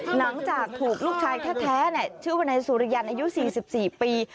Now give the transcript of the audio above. หลังจากถูกลูกชายแท้ชื่อวนายสุริยันอายุ๔๔ปี